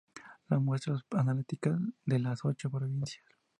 las muestras analíticas de las ocho provincias